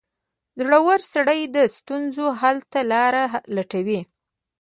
• زړور سړی د ستونزو حل ته لاره لټوي.